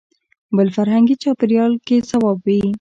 بل فرهنګي چاپېریال کې صواب وي.